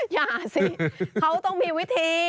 อย่าสิเขาต้องมีวิธี